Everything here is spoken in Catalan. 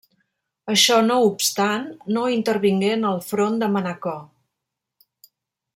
Això no obstant, no intervingué en el front de Manacor.